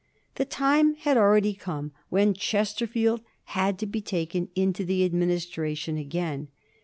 The time had already come when Chesterfield had to be taken into the Administration again.